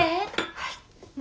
はい。